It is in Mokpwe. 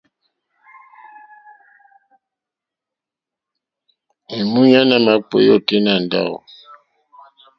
Èmúɲánà àmà kpééyá ôténá ndáwù.